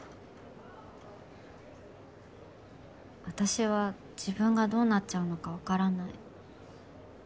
私は自分がどうなっちゃうのか分からない。